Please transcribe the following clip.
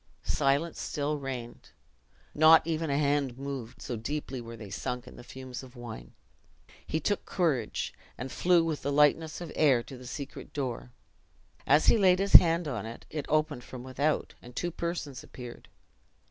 Silence still reigned; not even a hand moved, so deeply were they sunk in the fumes of wine. He took courage, and flew with the lightness of air to the secret door. As he laid his hand on it, it opened from without, and two persons appeared.